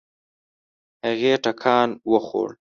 هغې ټکان وخوړ.